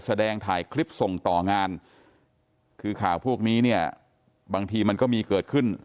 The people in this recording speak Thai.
แสดงถ่ายคลิปส่งต่องานคือข่าวพวกนี้เนี่ยบางทีมันก็มีเกิดขึ้น